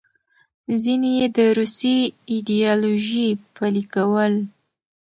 ځینې یې د روسي ایډیالوژي پلې کول.